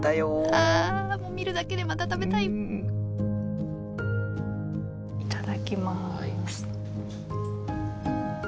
ああ見るだけでまた食べたいいただきます。